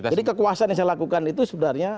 jadi kekuasaan yang saya lakukan itu sebenarnya